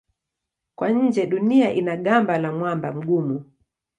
Kwa nje Dunia ina gamba la mwamba mgumu.